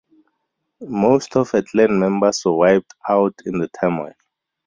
Most of her clan members were wiped out in the turmoil.